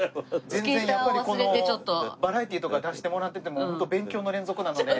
全然やっぱりこのバラエティーとか出してもらっていても勉強の連続なので。